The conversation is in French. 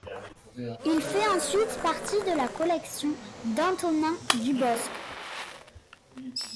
Il fait ensuite partie de la collection d'Antonin Dubosc.